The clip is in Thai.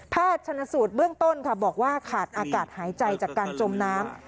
ชนสูตรเบื้องต้นค่ะบอกว่าขาดอากาศหายใจจากการจมน้ำ